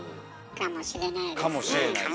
かもしれない。